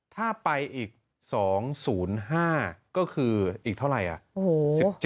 ถ้าไปอีก๒๐๕ก็คืออีกเท่าไหร่